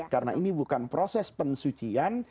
karena ini bukan proses pensucian